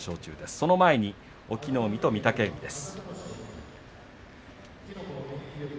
その前に隠岐の海と御嶽海です。